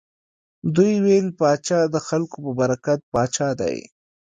دوی ویل پاچا د خلکو په برکت پاچا دی.